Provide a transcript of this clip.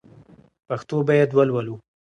پښتو باید ولولو